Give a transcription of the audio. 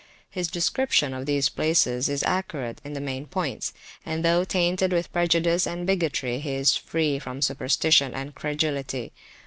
His description of these places is accurate in the main points, and though tainted with prejudice and bigotry, he is free from superstition and credulity.